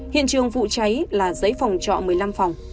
hiện trường vụ cháy là giấy phòng trọ một mươi năm phòng